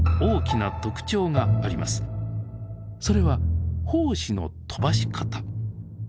それは胞子の飛ばし方。